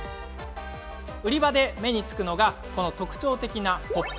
売り場で目につくのがこの特徴的なＰＯＰ。